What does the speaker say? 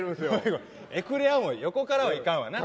エクレアも横からはいかんわな。